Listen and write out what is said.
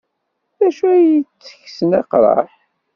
D acu ay ittekksen aqraḥ?